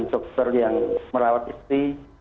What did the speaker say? dokter yang merawat istri